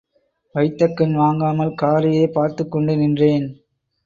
வைத்த கண் வாங்காமல் காரையே பார்த்துக் கொண்டு நின்றேன்.